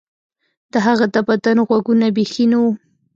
د هغه د بدن غوږونه بیخي نه وو